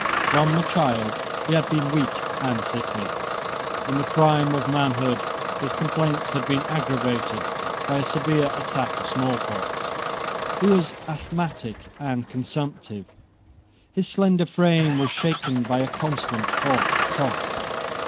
From a child he had been weak and sickly. In the prime of manhood his complaints had been aggravated by a severe attack of small pox. He was asthmatic and consumptive. His slender frame was shaken by a constant hoarse cough.